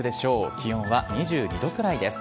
気温は２２度くらいです。